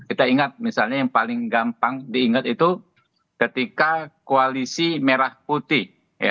kita ingat misalnya yang paling gampang diingat itu ketika koalisi merah putih